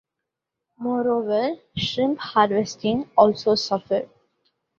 Moreover, shrimp harvesting also suffered.